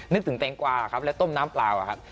นึกถึงแตงกวาครับและต้มน้ำเปล่าครับ